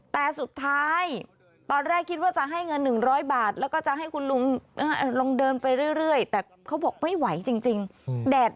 แต่สุดท้ายตอนแรกคิดว่าจะให้เงิน๑๐๐บาท